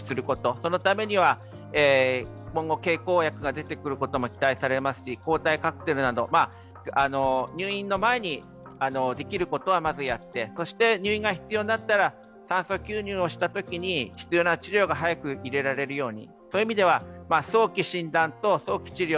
そのためには今後、経口薬が出てくることも期待されますし抗体カクテルなど入院の前にできることはまずやって入院が必要になったら酸素吸入したときに必要な治療が早く入れられるように。